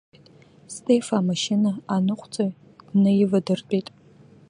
Стефа амашьына аныҟәцаҩ днаивадыртәеит.